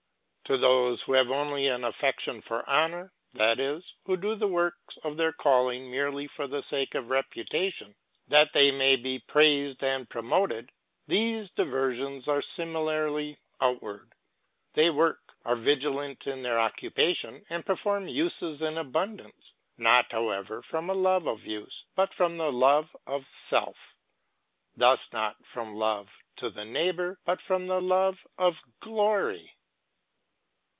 To those who have only an aft'ection for honor, that is, who do the works of their calling merely for the sake of reputation, that they may be praised, and promoted, these diversions are similar, outwardly. Tbey work, are vigilant in their occupa tion, and perform uses in abundance ; not however from a love of use, but from the love of self ; thus not from love to the neighbor, but from the love of glory.